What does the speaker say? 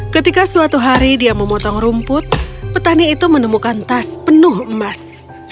ketika suatu hari dia memotong rumput petani itu menemukan tas penuh emas